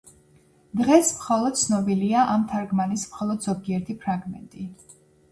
დღეს მხოლოდ ცნობილია ამ თარგმანის მხოლოდ ზოგიერთი ფრაგმენტი.